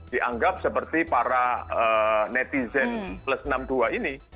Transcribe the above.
dianggap seperti para netizen plus enam puluh dua ini